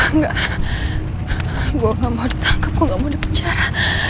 enggak gua gak mau ditangkep gua gak mau dipenjara